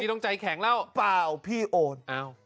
ต้องใจแข็งแล้วเปล่าพี่โอน